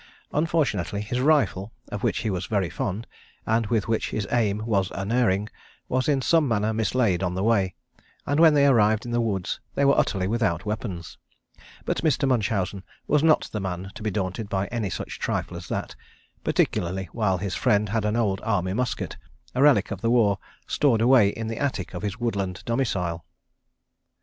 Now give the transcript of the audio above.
Unfortunately his rifle, of which he was very fond, and with which his aim was unerring, was in some manner mislaid on the way, and when they arrived in the woods they were utterly without weapons; but Mr. Munchausen was not the man to be daunted by any such trifle as that, particularly while his friend had an old army musket, a relic of the war, stored away in the attic of his woodland domicile.